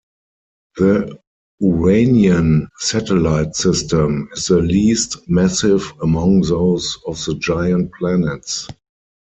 The Uranian satellite system is the least massive among those of the giant planets.